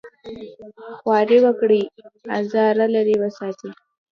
خواري وکړي ازاره لرې وساتي.